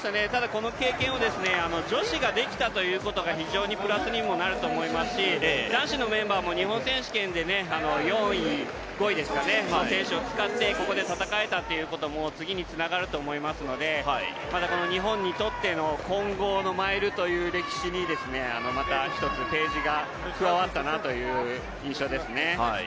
この経験を女子ができたということが非常にプラスにもなると思いますし男子のメンバーも日本選手権で４位、５位の選手を使ってここで戦えたということも次につながると思いますのでまた日本にとっての混合マイルの歴史にまた一つページが加わったなという印象ですね。